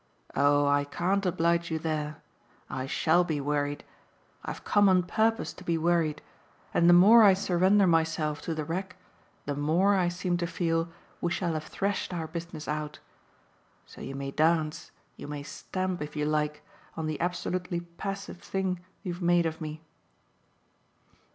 "Oh I can't oblige you there. I SHALL be worried. I've come on purpose to be worried, and the more I surrender myself to the rack the more, I seem to feel, we shall have threshed our business out. So you may dance, you may stamp, if you like, on the absolutely passive thing you've made of me."